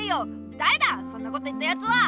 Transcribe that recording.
だれだそんなこと言ったやつは！